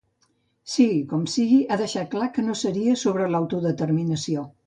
Sigui com sigui, ha deixat clar que no seria sobre l’autodeterminació.